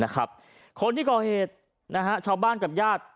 คนที่ก่อเหตุชาวบ้านกับญาติ